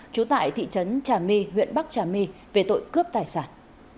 trú tại thị trấn trà my huyện bắc trà my về tội cướp tài sản